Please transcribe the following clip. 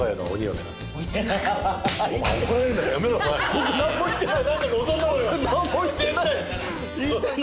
僕何も言ってない！